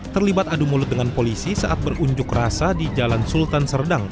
terlibat adu mulut dengan polisi saat berunjuk rasa di jalan sultan serdang